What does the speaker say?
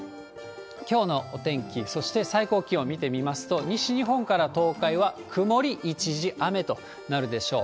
きょうのお天気、そして最高気温を見てみますと、西日本から東海は曇り一時雨となるでしょう。